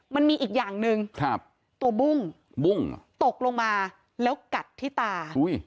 มันมีอีกอย่างหนึ่งครับตัวบุ้งบุ้งตกลงมาแล้วกัดที่ตา